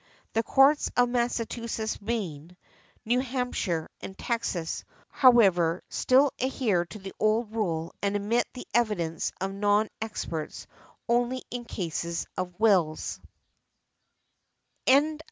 The Courts of Massachusetts, Maine, New Hampshire and Texas, however, still adhere to the old rule and admit the evidence of non experts only in cases of wills .